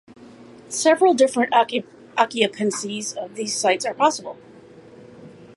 Several different occupancies of these sites are possible.